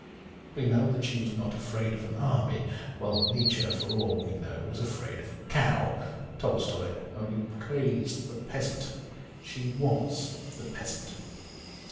We know that she was not afraid of an army, while Nietzsche for all we know was afraid of a cow, Tolstoy only praised the peasant ; she was the peasant.